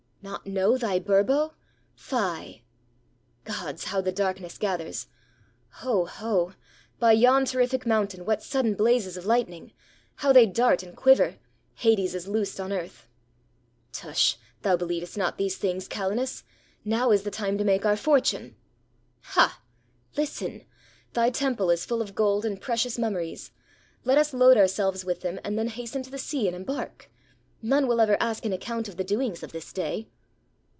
"Not know thy Burbo? — fie!" "Gods! — how the darkness gathers! Ho, ho; — by yon terrific mountain, what sudden blazes of hghtning! — How they dart and quiver ! Hades is loosed on earth !" "Tush! — thou behevest not these things, Calenus! Now is the time to make our fortune!" "Ha!" "Listen ! Thy temple is full of gold and precious mum meries!— let us load ourselves with them, and then has ten to the sea and embark! None will ever ask an ac count of the doings of this day."